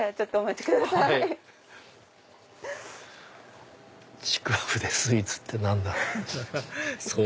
ちくわぶでスイーツって何だろう？